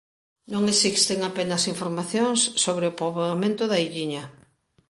Non existen apenas informacións sobre o poboamento da illiña.